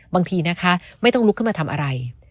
บางทีนะคะไม่ต้องลุกขึ้นมาทำอะไร